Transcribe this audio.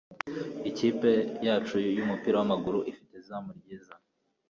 Ikipe yacu yumupira wamaguru ifite izamu ryiza.